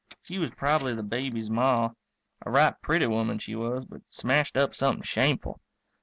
She was probably the baby's Ma; a right pretty woman she was but smashed up something shameful.